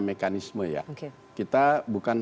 mekanisme ya kita bukan